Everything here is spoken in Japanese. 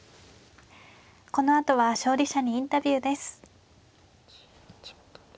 このあとは勝利者にインタビューです。